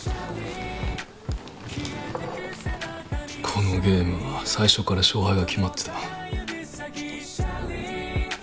このゲームは最初から勝敗が決まってた。